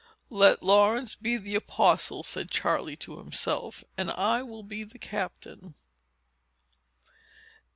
"Let Laurence be the apostle," said Charley to himself, "and I will be the captain."